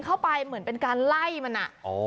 ก็เหมือนเป็นการไล่มันอะ